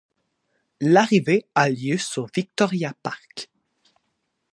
L'arrivée a lieu sur Victoria Park.